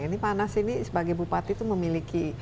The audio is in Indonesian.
ini pak anas ini sebagai bupati itu memiliki